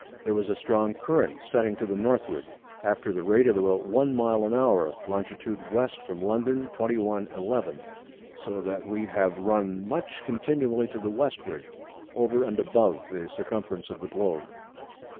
There was a strong Current setting to the Northward, after the rate of about 1 Mile an Hour, Longit. W. from London. 21. 11. So that we have run much continually to the Westward, over and above the Circumference of the Globe.